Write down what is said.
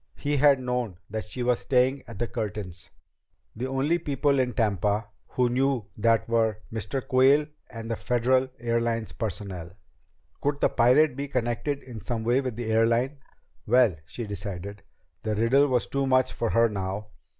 He had known that she was staying at the Curtins'. The only people in Tampa who knew that were Mr. Quayle and the Federal Airlines personnel. Could the pirate be connected in some way with the airline? Well, she decided, the riddle was too much for her now.